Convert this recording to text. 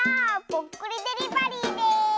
ぽっくりデリバリーです！